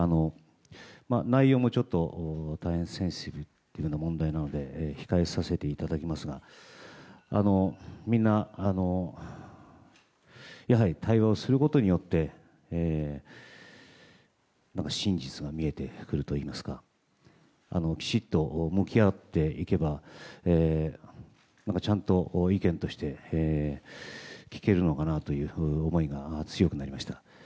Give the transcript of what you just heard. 内容も大変センシティブな問題なので控えさせていただきますがやはり対応することによって真実が見えてくるといいますかきちっと向き合っていけばちゃんと意見として聞けるのかなという思いが強くなりました。